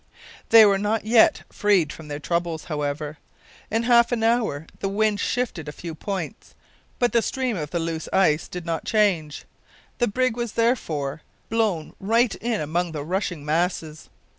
They were not yet freed from their troubles, however. In half an hour the wind shifted a few points, but the stream of the loose ice did not change. The brig was, therefore, blown right in among the rushing masses.